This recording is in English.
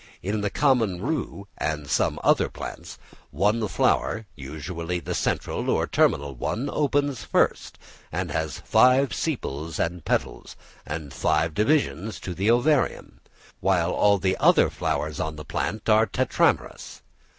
In the common rue and some other plants, one flower, usually the central or terminal one, opens first, and has five sepals and petals, and five divisions to the ovarium; while all the other flowers on the plant are tetramerous.